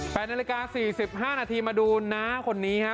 แปดนาฬิกา๔๕นาทีมาดูน้าคนนี้ฮะ